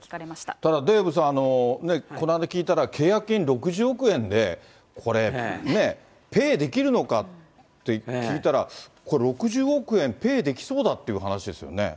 ただデーブさん、この間、聞いたら、契約金６０億円で、これ、ペイできるのかって聞いたら、これ、６０億円ペイできそうだっていう話ですよね。